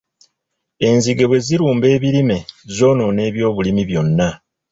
Enzige bwe zirumba ebirime, zoonoona ebyobulimi byonna.